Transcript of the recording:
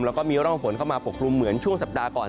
แล้วก็มีร่องฝนเข้ามาปกครุมเหมือนช่วงสัปดาห์ก่อน